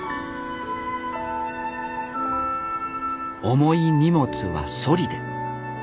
重い荷物はそりで。